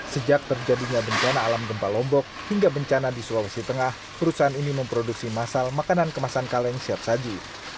sejak terjadinya bencana alam gempa lombok hingga bencana di sulawesi tengah perusahaan ini memproduksi masal makanan kemasan kaleng siap saji